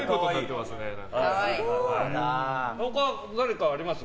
他、誰かあります？